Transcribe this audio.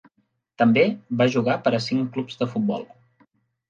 També va jugar per a cinc clubs de futbol.